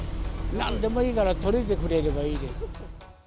なんでもいいから、取れてくれればいいです。